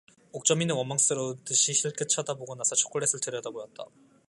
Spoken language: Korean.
옥점이는 원망스러운 듯이 힐끗 쳐다보고 나서 초콜릿을 들여다보았다.